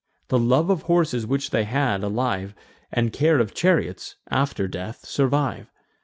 The love of horses which they had, alive, And care of chariots, after death survive.